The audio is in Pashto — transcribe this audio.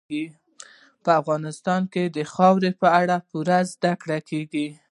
په افغانستان کې د خاورې په اړه پوره زده کړه کېږي.